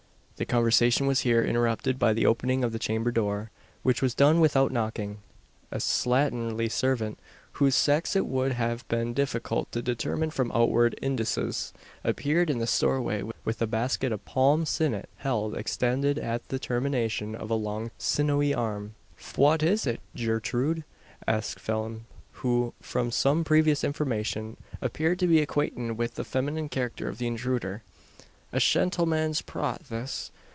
The conversation was here interrupted by the opening of the chamber door; which was done without knocking. A slatternly servant whose sex it would have been difficult to determine from outward indices appeared in the doorway, with a basket of palm sinnet held extended at the termination of a long sinewy arm. "Fwhat is it, Gertrude?" asked Phelim, who, from some previous information, appeared to be acquainted with the feminine character of the intruder. "A shentlemans prot this."